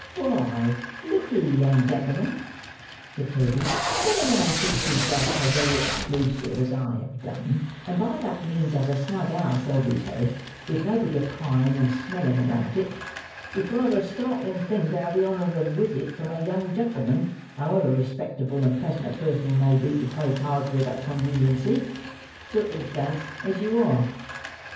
"Why, look'e, young gentleman," said Toby, "when a man keeps himself so very ex clusive as I have done, and by that means has a snug house over his head with nobody a prying and smelling about it, it's rather a startling thing to have the honour of a wisit from a young gentleman (however respectable and pleasant a person he may be to play cards with at conweniency) circumstanced as you are."